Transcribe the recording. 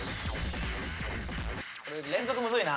連続むずいな。